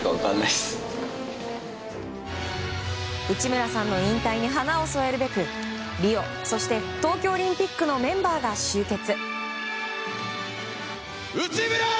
内村さんの引退に花を添えるべくリオ、そして東京オリンピックのメンバーが集結。